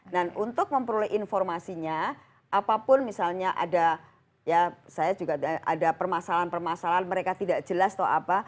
dan untuk memperoleh informasinya apapun misalnya ada permasalahan permasalahan mereka tidak jelas atau apa